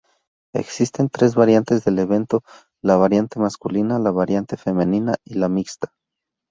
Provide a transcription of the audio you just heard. Existen tres variantes del evento, la variante masculina, la variante femenina y la mixta.